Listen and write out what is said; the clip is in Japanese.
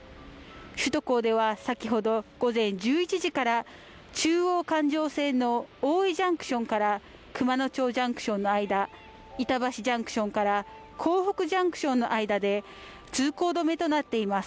首都高では先ほど午前１１時から中央環状線の大井ジャンクションから熊野町ジャンクションの間板橋ジャンクションから江北ジャンクションの間で通行止めとなっています